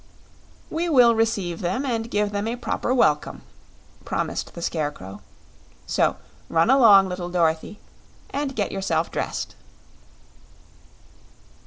"We will receive them and give them a proper welcome," promised the Scarecrow. "So run along, little Dorothy, and get yourself dressed."